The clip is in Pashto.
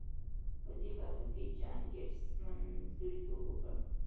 په دې برخه کې جان ګيټس منځګړيتوب وکړ.